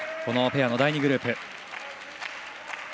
ペアの第２グループ。